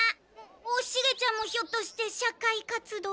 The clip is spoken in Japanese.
おシゲちゃんもひょっとして社会活動？